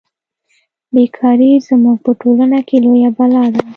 بې کاري زموږ په ټولنه کې لویه بلا ده